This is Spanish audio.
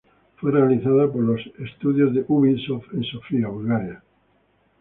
Fue realizada por los estudios de Ubisoft en Sofía, Bulgaria.